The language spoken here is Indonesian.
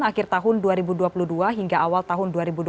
akhir tahun dua ribu dua puluh dua hingga awal tahun dua ribu dua puluh